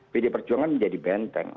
pd perjuangan menjadi benteng